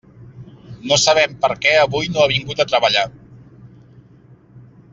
No sabem per què avui no ha vingut a treballar.